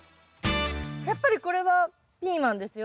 やっぱりこれはピーマンですよね。